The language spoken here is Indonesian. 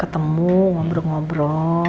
pertanyaan yang paling menarik